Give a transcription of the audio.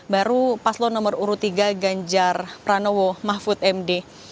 baru paslon nomor urut tiga ganjar pranowo mahfud md